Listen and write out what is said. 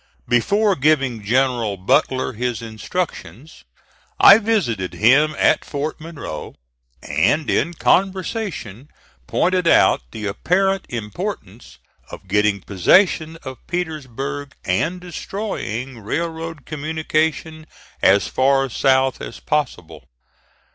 Before giving General Butler his instructions, I visited him at Fort Monroe, and in conversation pointed out the apparent importance of getting possession of Petersburg, and destroying railroad communication as far south as possible.